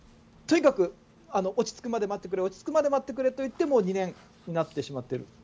とにかく落ち着くまで待ってくれ落ち着くまで待ってくれと言ってもう２年になってしまっている。